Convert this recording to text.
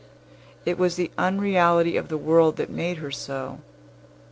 It was the unreality of the world that made her so.